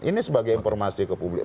ini sebagai informasi ke publik